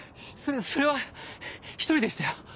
そそれは１人でしたよ。